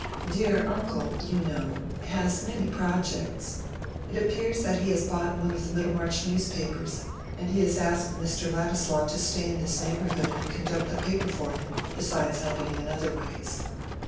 "Dear uncle, you know, has many projects. It appears that he has bought one of the Middlemarch newspapers, and he has asked Mr. Ladislaw to stay in this neighborhood and conduct the paper for him, besides helping him in other ways."